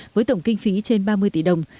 với tổng kinh phí trên ba mươi tỷ đồng